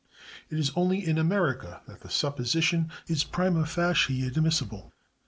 It is only in America that the supposition is prima facie admissible.